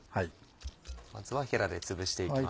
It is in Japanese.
まずはヘラでつぶしていきます。